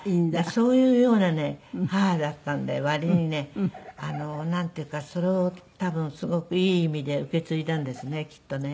そういうようなね母だったんで割にねなんていうかそれを多分すごくいい意味で受け継いだんですねきっとね。